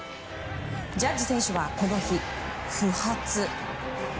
ジャッジ選手はこの日、不発。